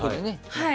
はい。